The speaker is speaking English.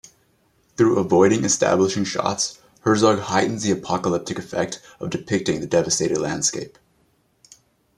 Through avoiding establishing shots, Herzog heightens the apocalyptic effect of depicting the devastated landscape.